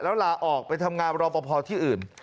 แล้วลาออกไปทำงานรอปภที่อื่น